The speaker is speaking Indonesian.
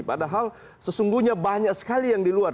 padahal sesungguhnya banyak sekali yang di luar